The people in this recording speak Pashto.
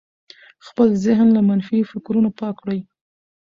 خپل ذهن له منفي فکرونو پاک کړئ.